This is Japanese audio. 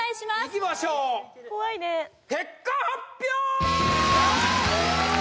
いきましょう怖いね結果発表！